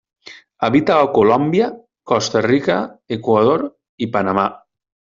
Habita a Colòmbia, Costa Rica, Equador i Panamà.